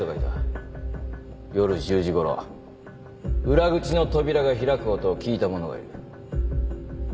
夜１０時ごろ裏口の扉が開く音を聞いた者がいる。